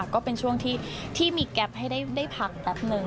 ก็เป็นช่วงที่มีแก๊ปให้ได้พักแป๊บนึง